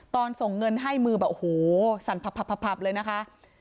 ส่งเงินให้มือแบบโอ้โหสั่นผับเลยนะคะ